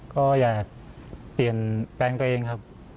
ก็อยากเปลี่ยนแปลงตัวเองครับ